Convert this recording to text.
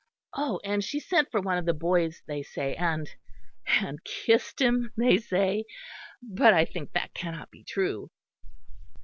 Oh! and she sent for one of the boys, they say, and and kissed him, they say; but I think that cannot be true."